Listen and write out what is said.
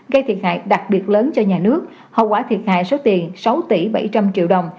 gây thiệt hại đặc biệt lớn cho nhà nước hậu quả thiệt hại số tiền sáu tỷ bảy trăm linh triệu đồng